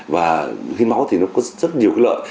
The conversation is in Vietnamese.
và hiến máu thì nó có rất nhiều cái lợi